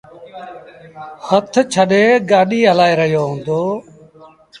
هٿ ڇڏي گآڏيٚ هلآئي رهيو هُݩدو۔